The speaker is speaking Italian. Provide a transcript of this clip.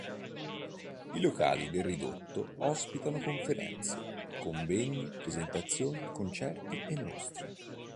I locali del ridotto ospitano conferenze, convegni, presentazioni, concerti e mostre.